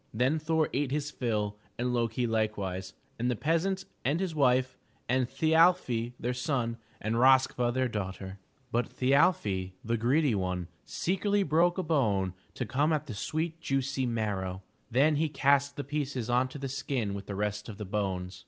Then Thor ate his fill, and Loki likewise, and the peasant, and his wife, and Thi aFfi, their son, and Rosk'va, their daughter. 436 THE TREASURE CHEST But Thi arfi, the greedy one, secretly broke a bone, to come at the sweet, juicy marrow; then he cast the pieces onto the skin with the rest of the bones.